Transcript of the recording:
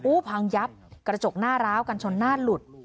พังยับกระจกหน้าร้าวกันชนหน้าหลุด